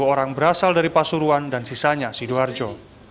sepuluh orang berasal dari pasuruan dan sisanya sidoarjo